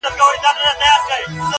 بېغمه ژوند وکړئ مېله بازه ولسه